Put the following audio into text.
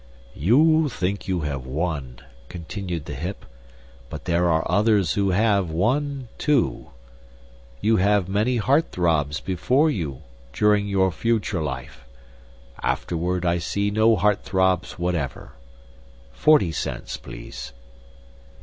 "You think you have won," continued the Hip; "but there are others who have 1, 2. You have many heart throbs before you, during your future life. Afterward I see no heart throbs whatever. Forty cents, please."